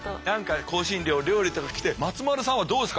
香辛料料理ときて松丸さんはどうですか？